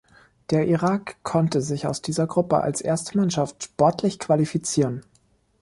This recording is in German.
Der Irak konnte sich aus dieser Gruppe als erste Mannschaft sportlich qualifizieren.